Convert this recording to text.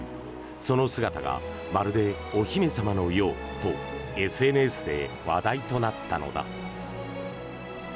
その姿がまるでお姫様のようとＳＮＳで話題となったのだ。